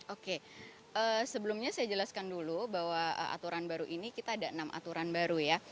oke sebelumnya saya jelaskan dulu bahwa aturan baru ini kita ada enam aturan baru ya